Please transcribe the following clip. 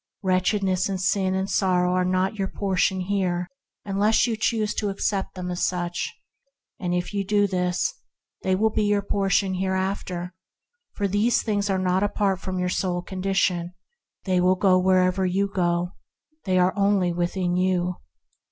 Wretchedness and sin and sorrow are not your portion here unless you accept them as such; and if you do this, they shall be your portion hereafter, for these things are not apart from your soul condition; they will go wherever you go; they are only within you.